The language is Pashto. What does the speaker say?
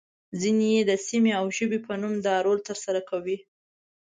ځینې يې د سیمې او ژبې په نوم دا رول ترسره کوي.